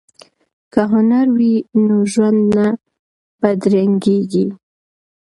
که هنر وي نو ژوند نه بدرنګیږي.